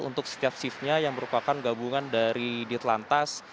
untuk setiap shiftnya yang merupakan gabungan dari ditlantas